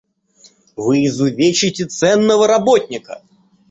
Вы изувечите ценного работника.